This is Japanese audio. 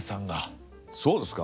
そうですか？